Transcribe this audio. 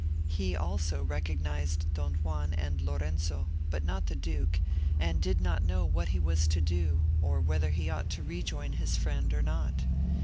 He also recognised Don Juan and Lorenzo, but not the duke, and did not know what he was to do, or whether he ought to rejoin his friend or not.